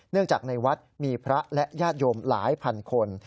จากในวัดมีพระและญาติโยมหลายพันคน